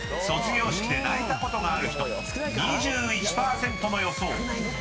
卒業式で泣いたことがある人２１％の予想］